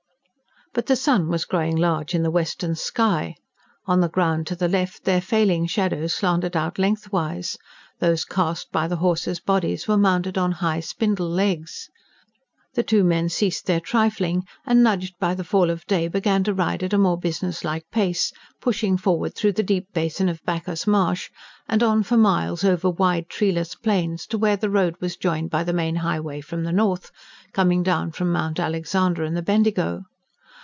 But the sun was growing large in the western sky; on the ground to the left, their failing shadows slanted out lengthwise; those cast by the horses' bodies were mounted on high spindle legs. The two men ceased their trifling, and nudged by the fall of day began to ride at a more business like pace, pushing forward through the deep basin of Bacchus's marsh, and on for miles over wide, treeless plains, to where the road was joined by the main highway from the north, coming down from Mount Alexander and the Bendigo.